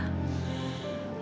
ya tidak begitu